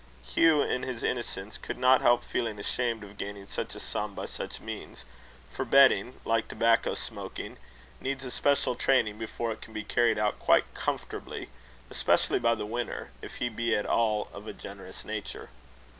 Hugh, in his innocence, could not help feeling ashamed of gaining such a sum by such means; for betting, like tobacco smoking, needs a special training before it can be carried out quite comfortably, especially by the winner, if he be at all of a generous nature.